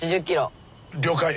了解。